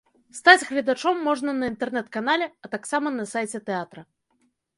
Стаць гледачом можна на інтэрнэт-канале, а таксама на сайце тэатра.